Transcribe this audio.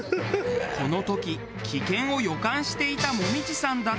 この時危険を予感していた紅葉さんだったが。